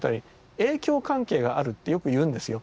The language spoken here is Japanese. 影響関係があるってよく言うんですよ